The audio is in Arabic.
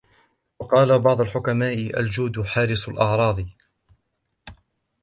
وَقَالَ بَعْضُ الْحُكَمَاءِ الْجُودُ حَارِسُ الْأَعْرَاضِ